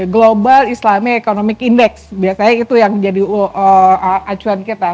global islamic economic index biasanya itu yang jadi acuan kita